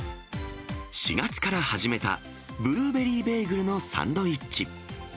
４月から始めたブルーベリーベーグルのサンドイッチ。